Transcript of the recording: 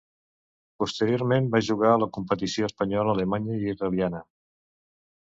Posteriorment va jugar a la competició espanyola, alemanya i israeliana.